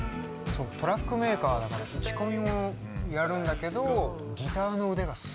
トラックメーカーだから打ち込みもやるんだけどギターの腕がすごくて。